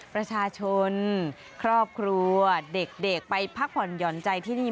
ประชาชนครอบครัวเด็กไปพักผ่อนหย่อนใจที่นี่